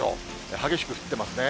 激しく降ってますね。